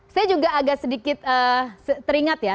saya juga agak sedikit teringat ya